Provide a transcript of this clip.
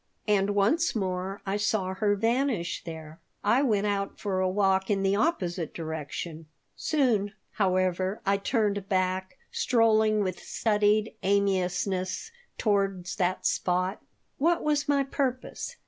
And once more I saw her vanish there I went out for a walk in the opposite direction. Soon, however, I turned back, strolling with studied aimiessness, toward that spot What was my purpose?